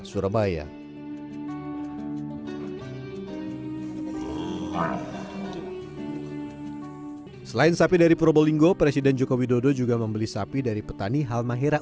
surabaya selain sapi dari purwolinggo presiden jokowi dodo juga membeli sapi dari petani halmahera